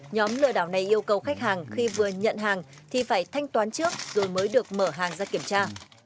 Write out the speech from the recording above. nhóm lừa đảo này yêu cầu khách hàng khi vừa nhận hàng thì phải thanh toán trước rồi mới được mở hàng ra kiểm tra